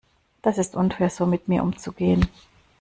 Das ist unfair so mit mir umzugehen.